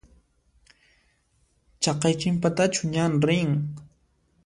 Haqay chinpatachu ñan rin?